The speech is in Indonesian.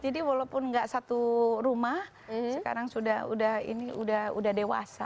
jadi walaupun nggak satu rumah sekarang sudah dewasa